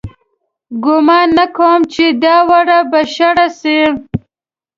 گومان نه کوم چې دا وړۍ به شړۍ سي